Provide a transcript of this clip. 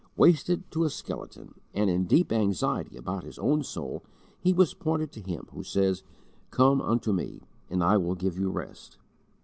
Wasted to a skeleton, and in deep anxiety about his own soul, he was pointed to Him who says, "Come unto Me,... and I will give you rest."